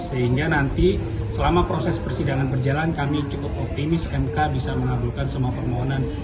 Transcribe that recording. sehingga nanti selama proses persidangan berjalan kami cukup optimis mk bisa mengabulkan semua permohonan